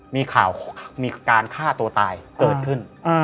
มีข่าวมีการฆ่าตัวตายเกิดขึ้น